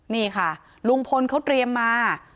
นี่ค่ะลุงพลเขาเตรียมมา